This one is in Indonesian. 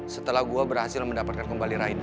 setelah gue berhasil mendapatkan kembali raina